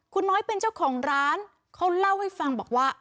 คุณน้อยเป็นเจ้าของร้านเขาเล่าให้ฟังบอกว่า